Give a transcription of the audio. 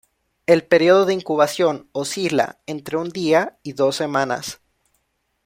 El período de incubación oscila entre un día y dos semanas.